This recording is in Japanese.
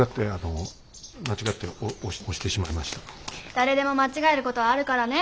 誰でも間違えることはあるからね。